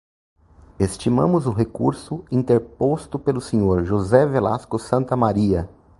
Estimamos o recurso interposto pelo senhor José Velasco Santamaría.